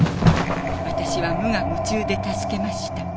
私は無我夢中で助けました。